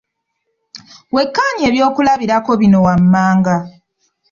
Wekkaanye eby'okulabirako bino wammanga.